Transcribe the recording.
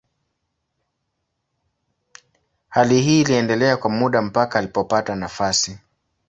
Hali hii iliendelea kwa muda mpaka alipopata nafasi.